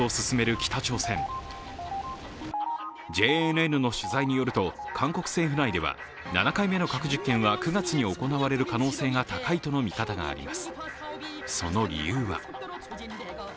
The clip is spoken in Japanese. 北朝鮮ＪＮＮの取材によると、韓国政府内では７回目の核実験は９月に行われる可能性が高いとの見方があります。